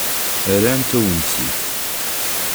Rrant-awen-tt-id.